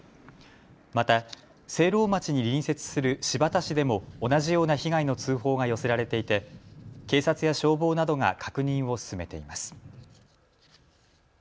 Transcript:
また聖籠町に隣接する新発田市でも同じような被害の通報が寄せられていて警察や消防などが確認を進めています。